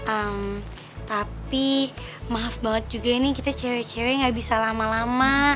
ehm tapi maaf banget juga ini kita cewek cewek gak bisa lama lama